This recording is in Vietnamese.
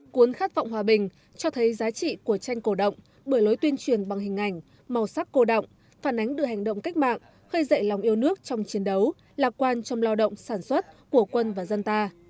cuốn khát vọng hòa bình cho thấy giá trị của tranh cổ động bởi lối tuyên truyền bằng hình ảnh màu sắc cổ động phản ánh được hành động cách mạng khơi dậy lòng yêu nước trong chiến đấu lạc quan trong lao động sản xuất của quân và dân ta